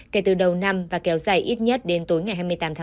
kể từ đầu năm và kéo dài ít nhất đến tối ngày hai mươi tám